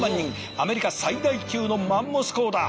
アメリカ最大級のマンモス校だ。